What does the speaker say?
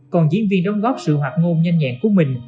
còn diễn viên đóng góp sự hoạt ngôn nhanh nhẹn của mình